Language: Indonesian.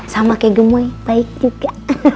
sama kayak gemui baik juga